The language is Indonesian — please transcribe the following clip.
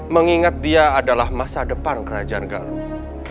mengingat dia adalah masa depan kerajaan garut